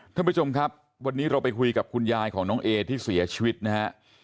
ท่านผู้ชมครับวันนี้เราไปคุยกับคุณยายของน้องเอที่เสียชีวิตนะฮะ